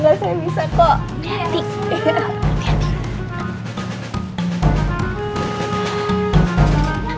jangan masukan beban ngantuk